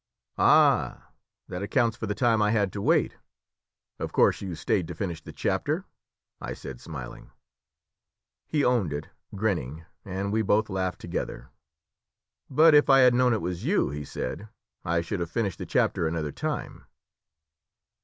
"Ah, that accounts for the time I had to wait! Of course you stayed to finish the chapter?" I said, smiling. He owned it, grinning, and we both laughed together. "But if I had known it was you," he said, "I should have finished the chapter another time."